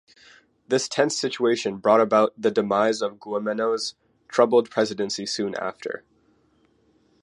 This tense situation brought about the demise of Goumenos' troubled presidency soon after.